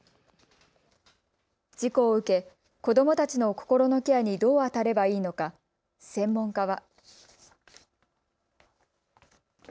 事故を受け子どもたちの心のケアにどうあたればいいのか専門家は。